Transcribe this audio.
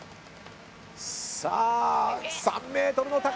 さあ３ｍの高さへ。